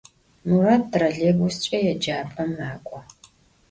Murat trollêybusç'e yêcap'em mak'o.